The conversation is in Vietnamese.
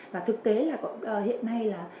và thực tế là hiện nay